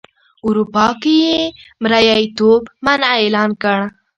اروپا کې یې مریتوب منع اعلان کړ.